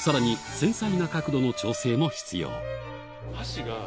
繊細な角度の調整も必要